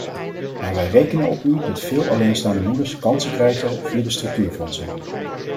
Maar wij rekenen op u dat veel alleenstaande moeders kansen krijgen via de structuurfondsen.